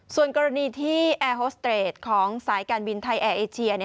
ส่วนกรณีที่แอร์โฮสเตรดของสายการบินไทยแอร์เอเชีย